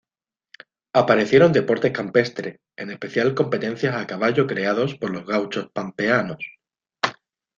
Aparecieron deportes campestres, en especial competencias a caballo creados por los gauchos pampeanos.